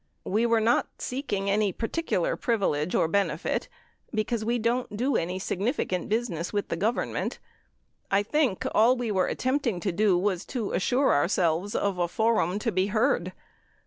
We were not seeking any particular privilege or benefit be cause we don't do any significant business with the Govern ment. I think all we were attempting to do was to assure our selves of a forum to be heard.